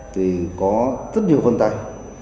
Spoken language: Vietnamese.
thì có rất nhiều vân tay